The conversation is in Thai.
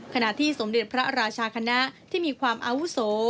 ขณะที่สมเด็จพระราชาคณะที่มีความอาวุโส